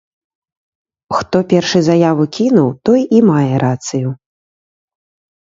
Хто першы заяву кінуў, той і мае рацыю.